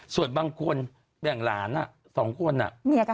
ส่วนบางคนแบ่งราวทูลครับ